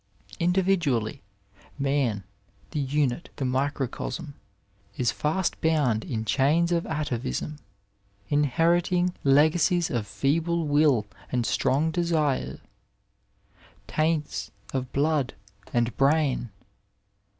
Individually, man, the unit, the microeosm, is fast boun4 in chains of atavism, inheriting legacies of f eeUe will and strong desires, taints of blood and brain.